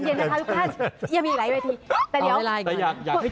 ใจเย็นนะคะทุกคนยังมีอีกหลายเวที